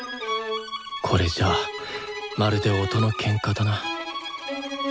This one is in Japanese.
これじゃあまるで音のケンカだな。